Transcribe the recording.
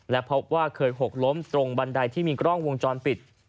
และพบว่าเคยหกล้มตรงบันไดที่มีกล้องวงจรปิด